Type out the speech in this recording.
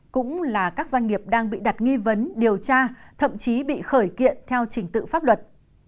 cũng là các doanh nghiệp đang bị đặt nghi vấn điều tra thậm chí bị khởi kiện theo trình tự pháp luật